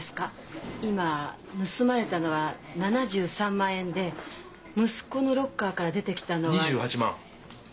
今盗まれたのは７３万円で息子のロッカーから出てきたのは。